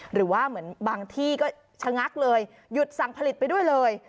หรือว่าเหมือนบางที่ก็ชะงักเลยหยุดสั่งผลิตไปด้วยเลย